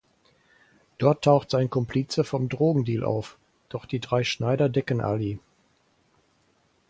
Dort taucht sein Komplize vom Drogendeal auf, doch die drei Schneider decken Ali.